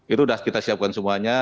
itu sudah kita siapkan semuanya